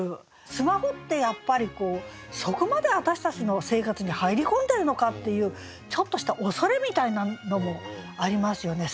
スマホってやっぱりそこまで私たちの生活に入り込んでるのかっていうちょっとした恐れみたいなのもありますよね。